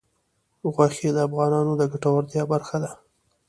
غوښې د افغانانو د ګټورتیا برخه ده.